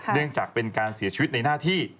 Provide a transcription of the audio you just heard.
เนื่องจากเป็นการเสียชีวิตในหน้าที่